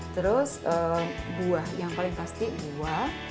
terus buah yang paling pasti buah